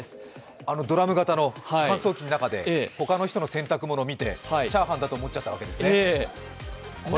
ドラム型乾燥機の中で、ほかの方の洗濯物を見てチャーハンだと思っちゃったわけですね。